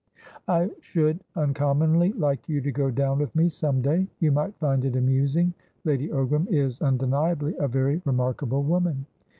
"I should uncommonly like you to go down with me some day. You might find it amusing. Lady Ogram is, undeniably, a very remarkable woman."